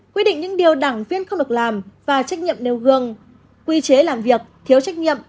quy định những điều đảng viên không được làm và trách nhiệm nêu gương quy chế làm việc thiếu trách nhiệm